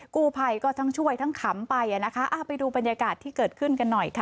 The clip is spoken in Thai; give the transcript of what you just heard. กู้ภัยก็ทั้งช่วยทั้งขำไปอ่ะนะคะไปดูบรรยากาศที่เกิดขึ้นกันหน่อยค่ะ